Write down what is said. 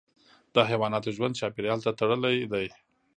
د حیواناتو ژوند چاپیریال ته تړلی دی.